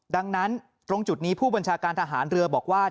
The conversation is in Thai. ดังนั้นตรงจุดนี้ผู้บัญชาการทหารเรือบอกว่า